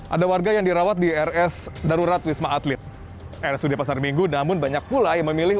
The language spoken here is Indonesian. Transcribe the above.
ada warga yang dirawat di rs darurat wisma atlet rs udia pasar minggu namun banyak pulai memilih